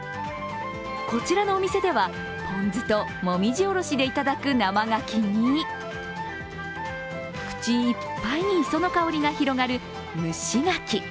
こちらのお店ではポン酢ともみじおろしで頂く生がきに口いっぱいに磯の香りが広がる蒸しがき。